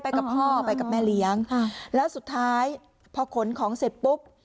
กับพ่อไปกับแม่เลี้ยงแล้วสุดท้ายพอขนของเสร็จปุ๊บ